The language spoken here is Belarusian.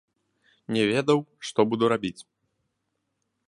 Не ведаў, што буду рабіць.